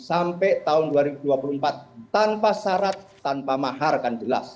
sampai tahun dua ribu dua puluh empat tanpa syarat tanpa mahar kan jelas